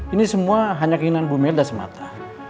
ini semua hanya keinginan bu mega semata